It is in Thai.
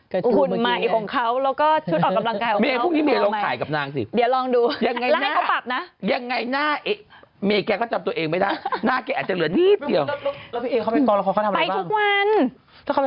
ขุนใหม่ของเขาแล้วก็ชุดออกกำลังกายของเขามากมาย